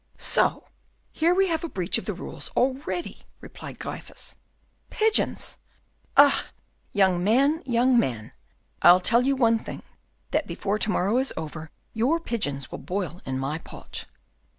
"So, here we have a breach of the rules already," replied Gryphus. "Pigeons! ah, young man, young man! I'll tell you one thing, that before to morrow is over, your pigeons will boil in my pot."